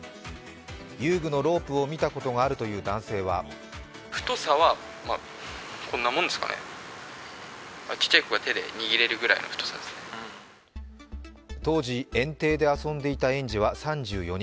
遊具のロープを見たことがあるという男性は当時、園庭で遊んでいた園児は３４人。